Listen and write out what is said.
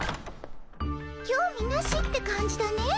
興味なしって感じだね。